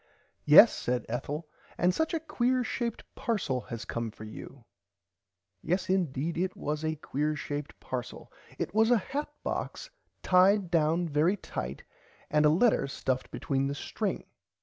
Yes said Ethel and such a quear shaped parcel has come for you Yes indeed it was a quear shape parcel it was a hat box tied down very tight and a letter stuffed between the string.